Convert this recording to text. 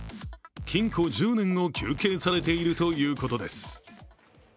禁錮１０年を求刑されているということです。